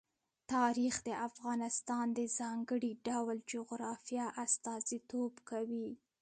تاریخ د افغانستان د ځانګړي ډول جغرافیه استازیتوب کوي.